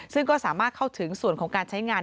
ซึ่งก็สามารถเข้าถึงส่วนของการใช้งาน